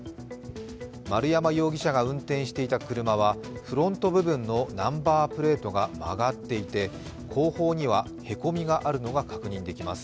丸山容疑者が運転していた車はフロント部分のナンバープレートが曲がっていて後方にはへこみがあるのが確認できます。